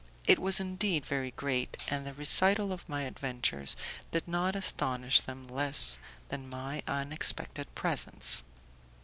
It was indeed very great, and the recital of my adventures did not astonish them less than my unexpected presence.